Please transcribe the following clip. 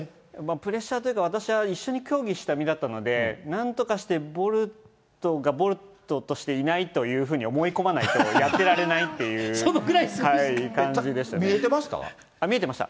プレッシャーというか、私は一緒に競技した身だったので、なんとかして、ボルトがボルトとしていないというふうに思い込まないとやってら見えてました？